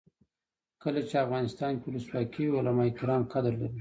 کله چې افغانستان کې ولسواکي وي علما کرام قدر لري.